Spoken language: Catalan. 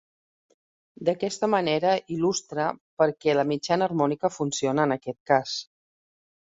D'aquesta manera, il·lustra perquè la mitjana harmònica funciona en aquest cas.